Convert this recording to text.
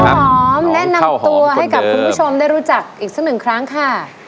หอมแนะนำตัวให้กับคุณผู้ชมได้รู้จักอีกสักหนึ่งครั้งค่ะ